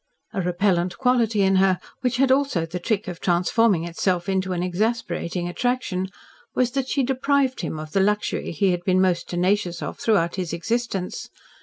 A repellent quality in her which had also the trick of transforming itself into an exasperating attraction was that she deprived him of the luxury he had been most tenacious of throughout his existence.